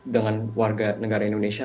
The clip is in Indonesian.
dengan warga negara indonesia